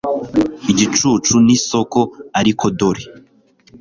Igicucu nisoko ariko dore